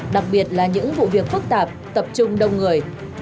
đặc biệt là những vụ việc phức tạp tập trung đông người